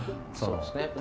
そうですね。